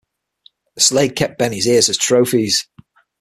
Slade kept Beni's ears as trophies.